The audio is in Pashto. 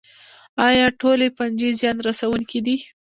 ایا ټولې فنجي زیان رسوونکې دي